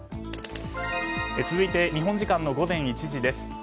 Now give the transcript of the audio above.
続いて、日本時間午前１時です。